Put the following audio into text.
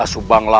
kamu kena berubah